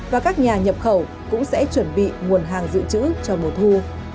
và các nhà nhập khẩu cũng sẽ chuẩn bị nguồn hàng dự trữ cho mùa thu